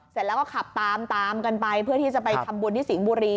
เสร็จแล้วก็ขับตามตามกันไปเพื่อที่จะไปทำบุญที่สิงห์บุรี